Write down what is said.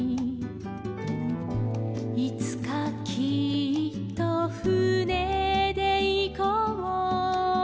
「いつかきっとふねでいこう」